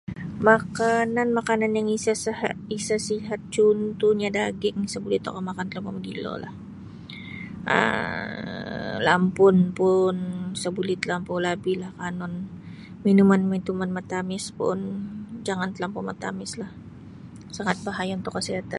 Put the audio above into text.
Makanan-makanan yang isa siat sihat contohnya daging isa buli tokou makan talampau magilo lah um lampun pun isa buli telampau labih la minuman-minuman matamis pun jangan telampau matamislah sangat bahaya untuk kesihatan.